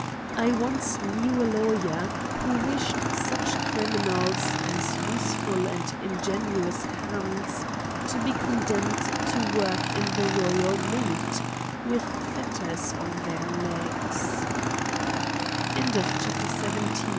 1 once knew a lawyer, who wished such criminals, as useful and ingenious hands, to be condemned to work in the royal mint, with fetters pn their legs,^ E e 2J8